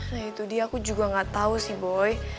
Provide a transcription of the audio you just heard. nah itu dia aku juga gak tahu sih boy